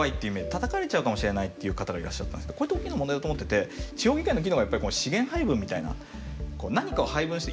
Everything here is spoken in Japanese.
たたかれちゃうかもしれないっていう方がいらっしゃったんですけどこれって大きな問題だと思ってて地方議会の議論がやっぱり資源配分みたいな何かを配分して。